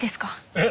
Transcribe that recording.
えっ！